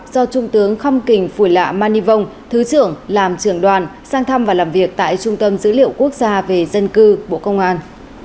do trung tướng khăm kình phủy lạ man nhi vông thứ trưởng làm trưởng đoàn sang thăm và làm việc tại trung tâm dữ liệu quốc gia về dân cư bộ công an